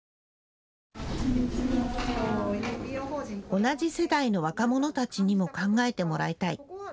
同じ世代の若者たちにも考えてもらいたい。